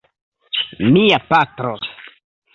Mia patro.